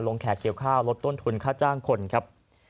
แขกเกี่ยวข้าวลดต้นทุนค่าจ้างคนครับ